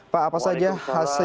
pak apa saja hasil